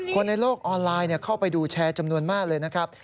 ในโลกออนไลน์เข้าไปดูแชร์จำนวนมากเลยนะครับ